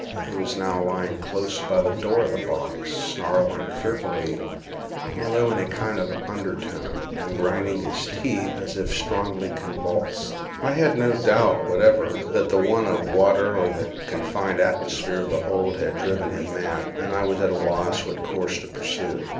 He was now lying close by the door of the box, snarling fearfully, although in a kind of undertone, and grinding his teeth as if strongly convulsed. I had no doubt whatever that the want of water or the confined atmosphere of the hold had driven him mad, and I was at a loss what course to pursue.